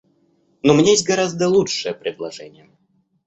Но у меня есть гораздо лучшее предложение.